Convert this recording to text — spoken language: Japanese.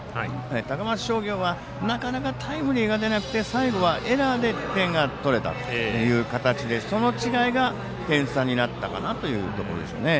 高松商業はなかなかタイムリーが出なくて最後はエラーで点が取れたという形でその違いが点差になったかなというところでしょうね。